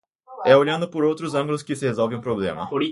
É olhando por outros ângulos que se resolve um problema